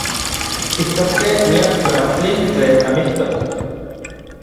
Kijtoskej miak tlamantli tlen amijtok.